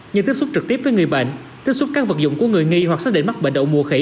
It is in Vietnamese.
như tiếp xúc trực tiếp với người bệnh tiếp xúc các vật dụng của người nghi hoặc xác định mắc bệnh đậu mùa khỉ